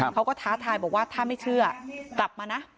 ท้าทายบอกว่าถ้าไม่เชื่อกลับมานะ